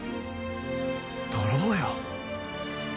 撮ろうよ。